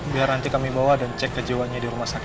biar nanti kami bawa dan cek ke jiwanya di rumah sakit